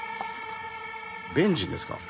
ベンジンですか。